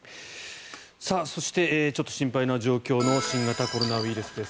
そして心配な状況の新型コロナウイルスです。